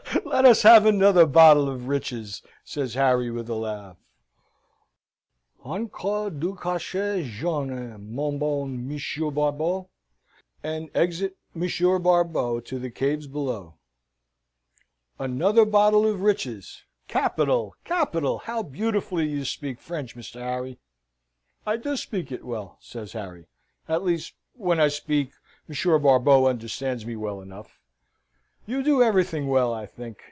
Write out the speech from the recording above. "Let us have another bottle of riches," says Harry, with a laugh. "Encore du cachet jaune, mon bon Monsieur Barbeau!" and exit Monsieur Barbeau to the caves below. "Another bottle of riches! Capital, capital! How beautifully you speak French, Mr. Harry!" "I do speak it well," says Harry. "At least, when I speak, Monsieur Barbeau understands me well enough." "You do everything well, I think.